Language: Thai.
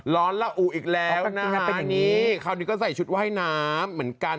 ละอุอีกแล้วนะฮะปีนี้คราวนี้ก็ใส่ชุดว่ายน้ำเหมือนกัน